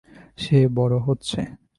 সে বড় হচ্ছে।